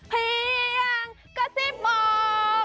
เพียงกระซิบบอก